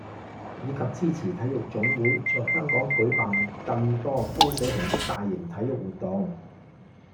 以及支持體育總會在香港舉辦更多高水平的大型體育活動